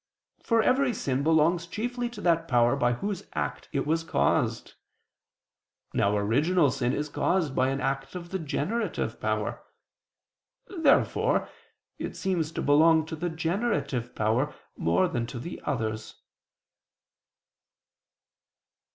For every sin belongs chiefly to that power by whose act it was caused. Now original sin is caused by an act of the generative power. Therefore it seems to belong to the generative power more than to the others.